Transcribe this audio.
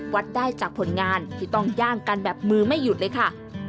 วัดได้จากผลงานที่ต้องย่างกันแบบมือไม่หยุดเลยค่ะ